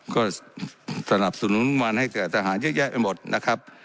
ก็สนับสนุนวันให้แก่ทหารเยอะแยะไปหมดนะครับ